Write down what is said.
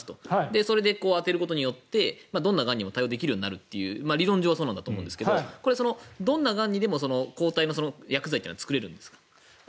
それで当てることによってどんながんにも対応できるようになるという理論上はそうなんだと思うんですがどんながんにでも抗体の薬剤というのは作れるんですか。